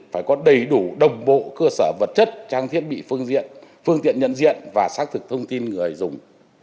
phải có đầy đủ đồng bộ cơ sở vật chất trang thiết bị phương diện phương tiện nhận diện và xác thực thông tin người dùng